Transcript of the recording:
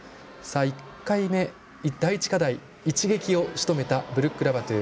１回目、第１課題一撃をしとめたブルック・ラバトゥ。